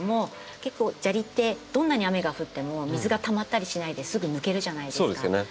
結構砂利ってどんなに雨が降っても水がたまったりしないですぐ抜けるじゃないですか。